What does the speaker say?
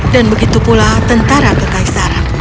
dan begitu pula tentara ke kaisar